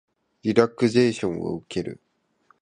リラクゼーションを受ける